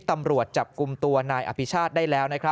ตำรวจจับกลุ่มตัวนายอภิชาติได้แล้ว